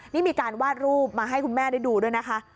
นี่มีการวาดรูปมาให้คุณแม่ได้ดูด้วยนะคะ